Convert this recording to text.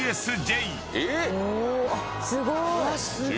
すごい。